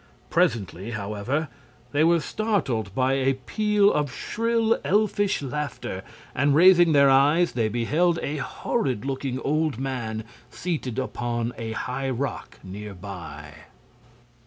Presently, however, they were startled by a peal of shrill, elfish laughter, and raising their eyes they beheld a horrid looking old man seated upon a high rock near by.